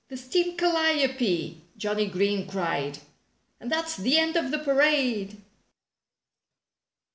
"The steam calliope!" Johnnie Green cried. "And that's the end of the parade."